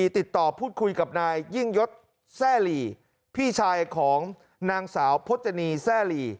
ติดต่อพูดคุยกับนายยิ่งยศแซ่หลีพี่ชายของนางสาวพจนีแซ่หลี